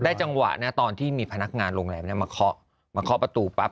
ได้จังหวะตอนที่มีพนักงานโรงแรมมาเคาะประตูปั๊บ